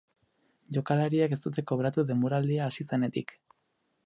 Jokalariek ez dute kobratu denboraldia hasi zenetik.